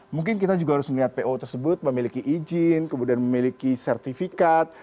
mungkin kita juga harus melihat po tersebut memiliki izin kemudian memiliki sertifikat